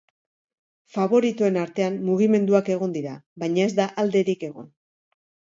Faboritoen artean mugimenduak egon dira, baina ez da alderik egon.